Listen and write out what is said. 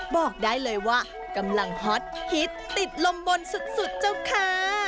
บอกได้เลยว่ากำลังฮอตฮิตติดลมบนสุดเจ้าค่ะ